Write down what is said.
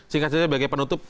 singkatnya sebagai penutup